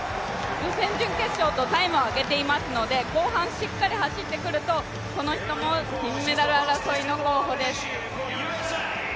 予選、準決勝とタイムを上げてきていますので、後半、しっかり走ってくると、この人も金メダル争いの候補です。